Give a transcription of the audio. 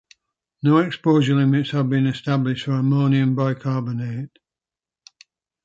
No exposure limits have been established for Ammonium Bicarbonate.